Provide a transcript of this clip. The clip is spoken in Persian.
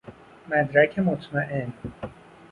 مدرک مطمئن